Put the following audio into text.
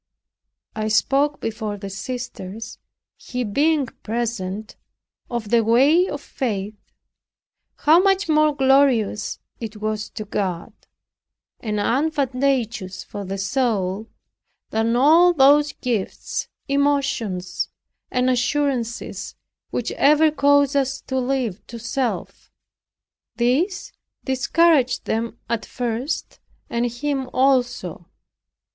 I spoke before the sisters, he being present, of the way of faith, how much more glorious it was to God, and advantageous for the soul, than all those gifts, emotions and assurances, which ever cause us to live to self. This discouraged them at first and him also.